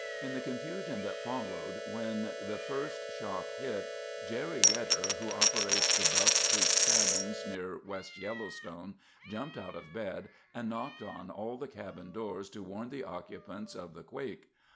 In the confusion that followed when the first shock hit, Jerry Yetter, who operates the Duck Creek Cabins near West Yellowstone, jumped out of bed and knocked on all the cabin doors to warn the occupants of the quake.